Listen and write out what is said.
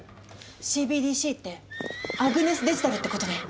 ＣＢＤＣってアグネスデジタルってことね。